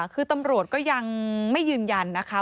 คือตำรวจก็ยังไม่ยืนยันนะคะ